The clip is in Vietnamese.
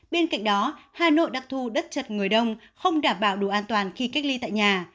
bên cạnh đó hà nội đặc thù đất chật người đông không đảm bảo đủ an toàn khi cách ly tại nhà